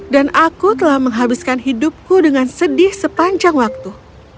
dan aku telah menghabiskan hidupku dengan sedih sepanjang waktu